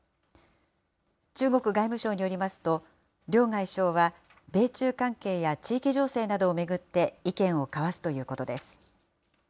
中国外務省によりますと、両外相は、米中関係や地域情勢などを巡って意見を交わすということです。